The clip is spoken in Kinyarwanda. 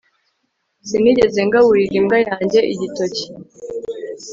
Sinigeze ngaburira imbwa yanjye igitoki